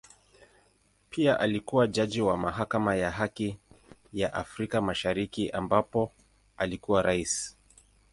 Pia alikua jaji wa Mahakama ya Haki ya Afrika Mashariki ambapo alikuwa Rais.